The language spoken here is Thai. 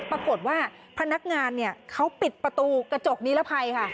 ปรากฏว่าพนักงานเขาปิดประตูกระจกนิรภัยค่ะ